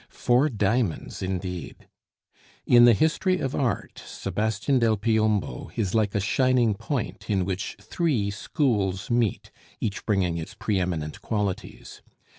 Four diamonds indeed! In the history of art, Sebastian del Piombo is like a shining point in which three schools meet, each bringing its pre eminent qualities.